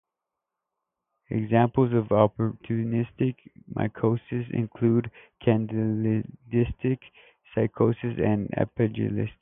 Examples of opportunistic mycoses include Candidiasis, Cryptococcosis and Aspergillosis.